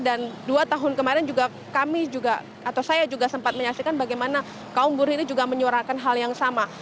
dan dua tahun kemarin juga kami juga atau saya juga sempat menyaksikan bagaimana kaum buruh ini juga menyuarakan hal yang sama